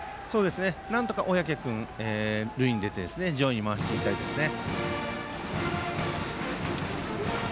なんとか小宅君は塁に出て上位に回したいですね。